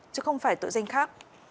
chứ không phải tội danh khác